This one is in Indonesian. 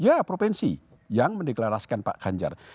ya provinsi yang mendeklarasikan pak ganjar